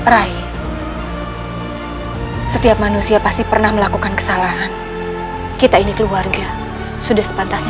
peraih setiap manusia pasti pernah melakukan kesalahan kita ini keluarga sudah sepantasnya